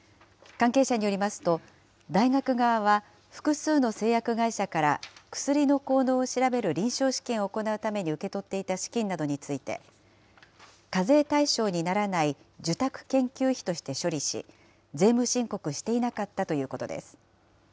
関係者によりますと、大学側は複数の製薬会社から、薬の効能を調べる臨床試験を行うために受け取っていた資金などについて、課税対象にならない受託研究費として処理し、税務申告していなかったということです。